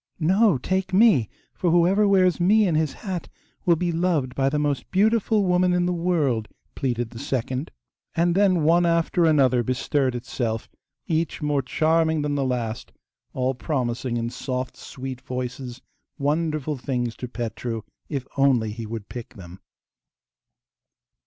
'No, take me, for whoever wears me in his hat will be loved by the most beautiful woman in the world,' pleaded the second; and then one after another bestirred itself, each more charming than the last, all promising, in soft sweet voices, wonderful things to Petru, if only he would pick them.